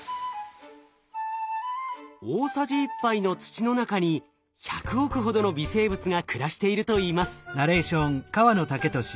大さじ１杯の土の中に１００億ほどの微生物が暮らしているといいます。